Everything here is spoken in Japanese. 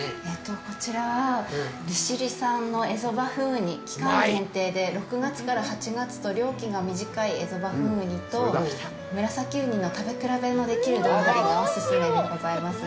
こちら、利尻産のエゾバフンウニ期間限定で６月から８月と漁期が短いエゾバフンウニとムラサキウニの食べ比べもできるどんぶりがお勧めでございます。